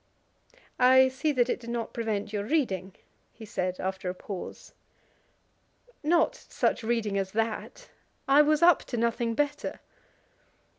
"I see that it did not prevent your reading," he said, after a pause. "Not such reading as that. I was up to nothing better."